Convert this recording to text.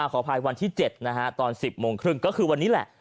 ขออภัยวันที่๗นะฮะตอน๑๐โมงครึ่งก็คือวันนี้แหละ